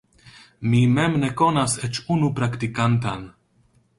Mi mem ne konas eĉ unu praktikantan.